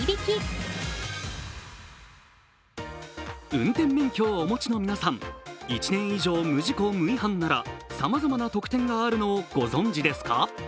運転免許をお持ちの皆さん、１年以上、無事故無違反ならさまざまな特典があるのをご存じですか。